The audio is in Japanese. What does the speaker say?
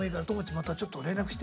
またちょっと連絡して。